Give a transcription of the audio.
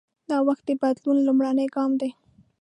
نوښت د بدلون لومړنی ګام دی.